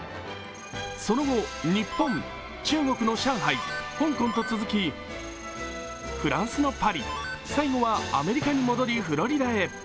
その後、日本、中国の上海、香港と続き、フランスのパリ、最後はアメリカに戻りフロリダへ。